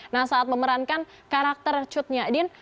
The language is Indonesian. nah saat memerankan karakter cutnya din